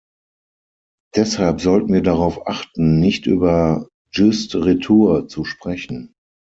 Deshalb sollten wir darauf achten, nicht über juste retour zu sprechen.